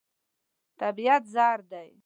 طبیعت زر دی.